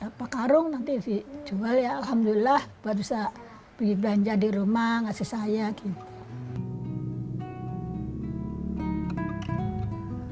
buat bisa beli belanja di rumah ngasih saya gitu